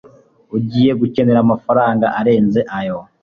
Ugiye gukenera amafaranga arenze ayo